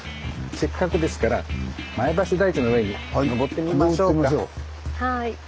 せっかくですから前橋台地の上にのぼってみましょうか。